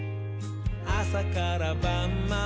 あさからばんまで」